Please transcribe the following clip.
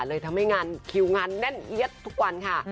เลยทำให้งานคิวงานแน่นเอี๊ยดทุกวันค่ะ